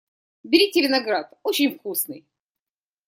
Берите виноград, очень вкусный!